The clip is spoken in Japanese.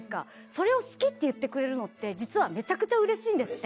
それを好きって言ってくれるのって実はめちゃくちゃうれしいんですって。